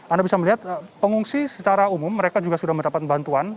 anda bisa melihat pengungsi secara umum mereka juga sudah mendapat bantuan